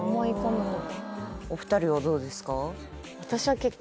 お二人はどうですか？